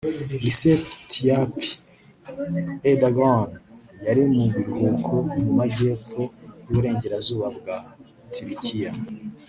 Recep Tayyip Erdogan yari mu biruhuko mu majyepfo y’uburengerazuba bwa Turikiya